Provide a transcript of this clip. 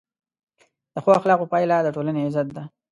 د ښو اخلاقو پایله د ټولنې عزت ده.